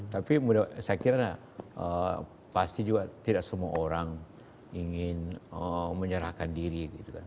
tapi saya kira pasti juga tidak semua orang ingin menyerahkan diri gitu kan